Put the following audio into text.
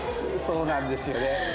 そうなんですよね。